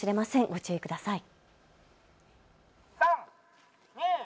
ご注意ください。